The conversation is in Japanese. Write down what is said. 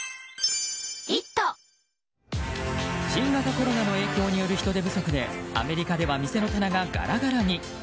新型コロナの影響による人手不足でアメリカでは店の棚がガラガラに。